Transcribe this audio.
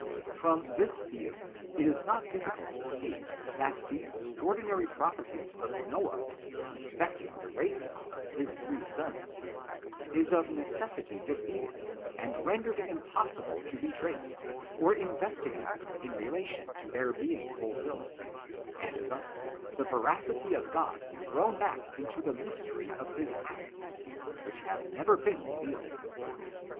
From this view, it is not difficult to see that the extraordinary prophc* sies of Noah, respecting the races of his three sons, is of necessity defeated, and rendered impossible to be traced, or investigated in relation to their being ful filled, and thus the veracity of God thrown back into the mysteries of his acts, which have never been re vealed